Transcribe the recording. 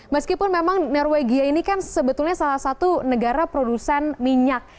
meskipun memang norwegia ini kan sebetulnya salah satu negara produsen minyak